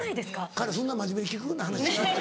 彼そんな真面目に聞くような話違う。